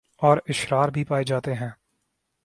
اور اشرار بھی پائے جاتے ہیں